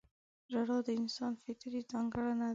• ژړا د انسان فطري ځانګړنه ده.